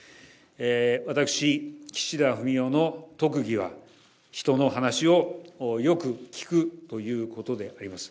私、岸田文雄の特技は、人の話をよく聞くということであります。